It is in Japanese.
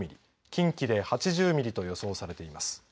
近畿で８０ミリと予想されています。